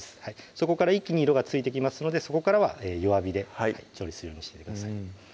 そこから一気に色がついてきますのでそこからは弱火で調理するようにしてください